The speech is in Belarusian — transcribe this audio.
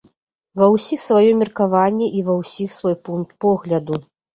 Ва ўсіх сваё меркаванне і ва ўсіх свой пункт погляду.